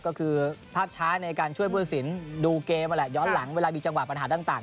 ก็คือภาพช้าในการช่วยผู้ตัดสินดูเกมนั่นแหละย้อนหลังเวลามีจังหวะปัญหาต่าง